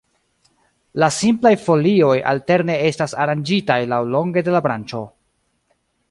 La simplaj folioj alterne estas aranĝitaj laŭlonge de la branĉo.